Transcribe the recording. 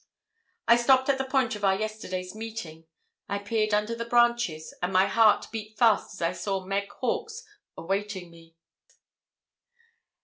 I stopped at the point of our yesterday's meeting. I peered under the branches, and my heart beat fast as I saw Meg Hawkes awaiting me.